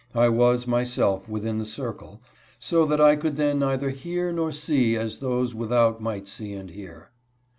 I was, myself, within the circle, so that I could then nei ther hear nor see as those without might see and hear.